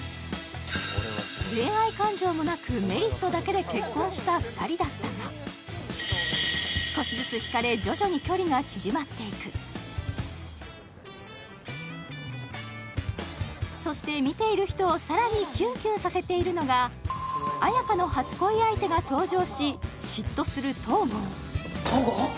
俺と結婚してくれした２人だったが少しずつ引かれ徐々に距離が縮まっていくそして見ている人をさらにキュンキュンさせているのが綾華の初恋相手が登場し嫉妬する東郷東郷？